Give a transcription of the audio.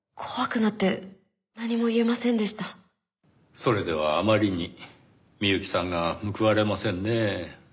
それではあまりに美由紀さんが報われませんねぇ。